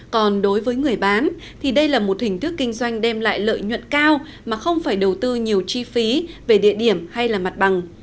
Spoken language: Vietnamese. còn đối với người bán thì đây là một hình thức kinh doanh đem lại lợi nhuận cao mà không phải đầu tư nhiều chi phí về địa điểm hay là mặt bằng